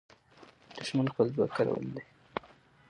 دښمن خپل ځواک کارولی دی.